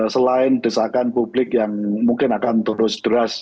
selain desakan publik yang mungkin akan terus deras